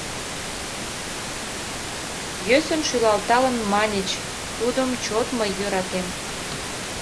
Йӧсын шӱлалталын маньыч: «Тудым чот мый йӧратем!»